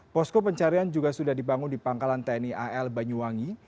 posko pencarian juga sudah dibangun di pangkalan tni al banyuwangi